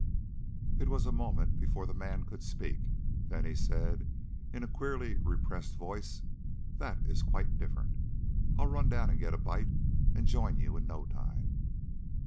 It was a moment before the man could speak, then he said, in a queerly repressed voice: "That is quite different. I'll run down and get a bite and join you in no time."